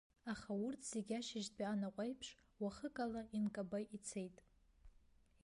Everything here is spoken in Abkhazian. Аха урҭ зегьы ашьыжьтәи анаҟә аиԥш уахык ала инкаба ицеит.